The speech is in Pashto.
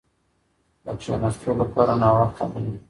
د کښېناستو لپاره ناوخته نه وي.